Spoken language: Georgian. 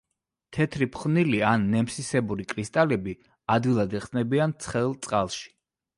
თეთრი ფხვნილი ან ნემსისებური კრისტალები, ადვილად იხსნებიან ცხელ წყალში.